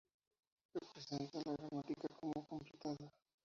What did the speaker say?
Presenta la gramática como no completada.